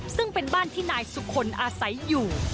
ซึ่งเป็นบ้านที่นายสุคลอาศัยอยู่